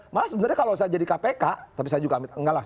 malah sebenarnya kalau saya jadi kpk tapi saya juga enggak lah